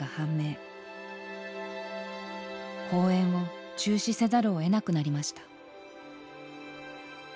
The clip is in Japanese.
公演を中止せざるをえなくなりました。